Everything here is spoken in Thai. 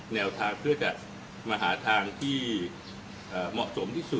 แนวทางเพื่อจะมาหาทางที่เหมาะสมที่สุด